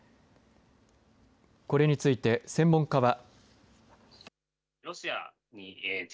これについて専門家は。